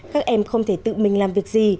các em không thể tự mình làm việc gì